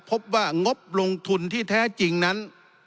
พบว่างบลงทุนที่แท้จริงนั้น